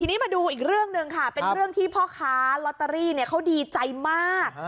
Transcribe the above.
ทีนี้มาดูอีกเรื่องหนึ่งค่ะเป็นเรื่องที่พ่อค้าลอตเตอรี่เขาดีใจมาก